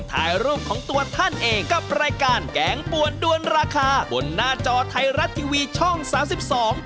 ถ่ายรูปของตัวท่านเองกับรายการแกงปวนด้วนราคาบนหน้าจอไทยรัฐทีวีช่องสามสิบสอง